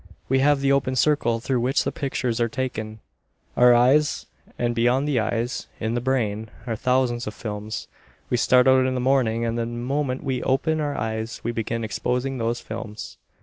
We have the open circle through which the pictures are taken, our eyes, and beyond the eyes, in the brain, are thousands of films. We start out in the morning and the moment we open our eyes we begin exposing those films.